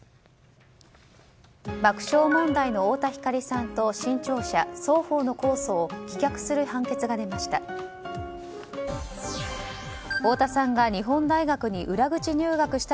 爆笑問題の太田光さんと新潮社双方の控訴を棄却する判決が出ました。